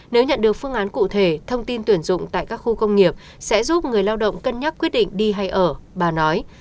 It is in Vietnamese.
nếu nhận được phương án cụ thể thông tin tuyển dụng tại các khu công nghiệp sẽ giúp người lao động cân nhắc quyết định đi hay ở bà nói